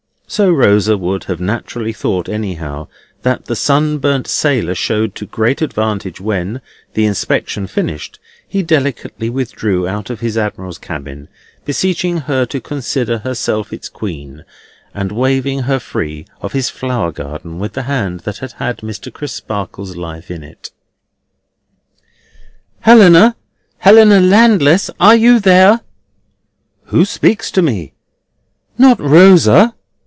So Rosa would have naturally thought, anyhow, that the sunburnt sailor showed to great advantage when, the inspection finished, he delicately withdrew out of his admiral's cabin, beseeching her to consider herself its Queen, and waving her free of his flower garden with the hand that had had Mr. Crisparkle's life in it. "Helena! Helena Landless! Are you there?" "Who speaks to me? Not Rosa?"